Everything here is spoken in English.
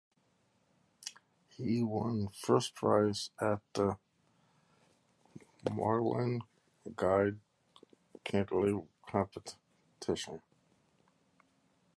He won first prize in the Milan Guido Cantelli Competition.